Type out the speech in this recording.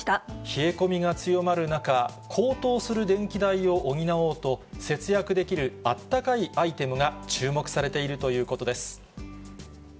冷え込みが強まる中、高騰する電気代を補おうと、節約できるあったかいアイテムが注目されているということです。